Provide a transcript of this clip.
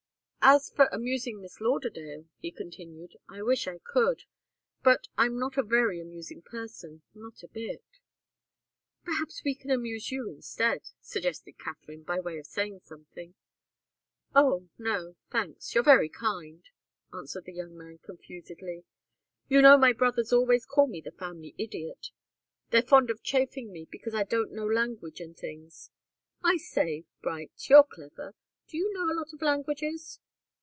"As for amusing Miss Lauderdale," he continued, "I wish I could. But I'm not a very amusing person not a bit." "Perhaps we can amuse you, instead," suggested Katharine, by way of saying something. "Oh, no thanks you're very kind," answered the young man, confusedly. "You know my brothers always call me the family idiot. They're always chaffing me because I don't know languages and things. I say, Bright you're clever do you know a lot of languages?"